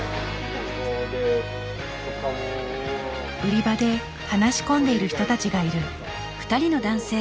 売り場で話し込んでいる人たちがいる。